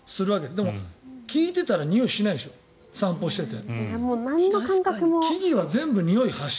でも、聞いていたらにおいしないでしょ散歩していても。